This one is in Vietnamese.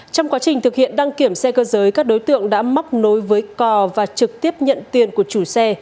trong quá trình thực hiện đăng kiểm xe cơ giới các đối tượng đã móc nối với cò và trực tiếp nhận tiền của chủ xe